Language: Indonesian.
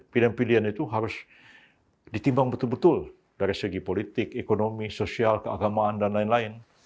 pilihan pilihan itu harus ditimbang betul betul dari segi politik ekonomi sosial keagamaan dan lain lain